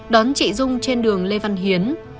đón chị dung trên đường lê văn hiến